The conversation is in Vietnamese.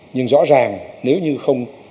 nhưng rõ ràng nếu như không